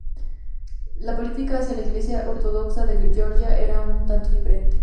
La política hacia la Iglesia Ortodoxa de Georgia era un tanto diferente.